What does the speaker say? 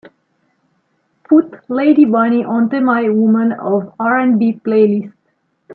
Put lady bunny onto my Women of R&B playlist.